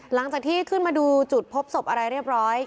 หลังจากที่ขึ้นมาดูจุดพบศพอะไรเรียบร้อย